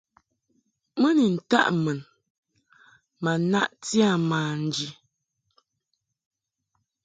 Mɨ ni ntaʼ mun ma naʼti a manji.